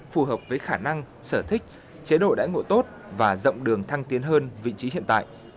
phù hợp với khả năng sở thích chế độ đãi ngộ tốt và rộng đường thăng tiến hơn vị trí hiện tại